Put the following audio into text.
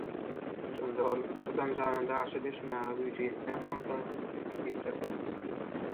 Şonda ol «Şu damjanyň daşy deşmäge güýji ýetýän bolsa…» diýipdir-de